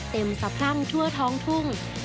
เต็มสะพังทั่วท้องทุ่ง